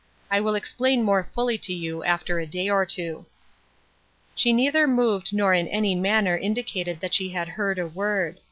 I will explain more fully to you after a day or two." She neither moved nor in any manner indicated that she had heard a word.